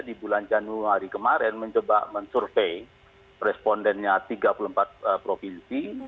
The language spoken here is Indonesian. di bulan januari kemarin mencoba mensurvey respondennya tiga puluh empat provinsi